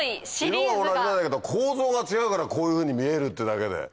色は同じなんだけど構造が違うからこういうふうに見えるってだけで。